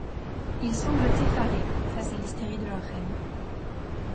Ils semblent effarés face à l'hystérie de leur reine.